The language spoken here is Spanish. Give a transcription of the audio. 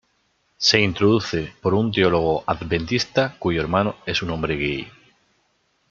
Se introduce por un teólogo Adventista cuyo hermano es un hombre gay.